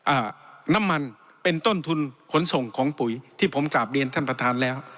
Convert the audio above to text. อ่าน้ำมันเป็นต้นทุนขนส่งของปุ๋ยที่ผมกราบเรียนท่านประธานแล้ว